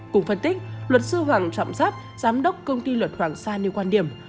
cùng phân tích luật sư hoàng trọng giáp giám đốc công ty luật hoàng sa nêu quan điểm